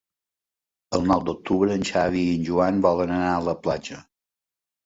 El nou d'octubre en Xavi i en Joan volen anar a la platja.